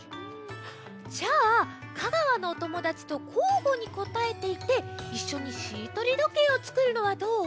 じゃあ香川のおともだちとこうごにこたえていっていっしょにしりとりどけいをつくるのはどう？